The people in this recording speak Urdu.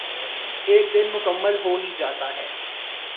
ایک دن مکمل ہو ہی جاتا یے